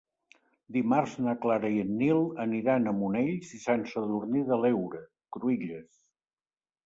Dimarts na Clara i en Nil aniran a Monells i Sant Sadurní de l'Heura Cruïlles.